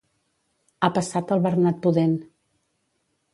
Ha passat el bernat pudent.